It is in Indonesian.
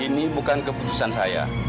ini bukan keputusan saya